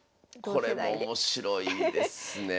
これも面白いですね。